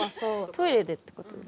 トイレでってことです？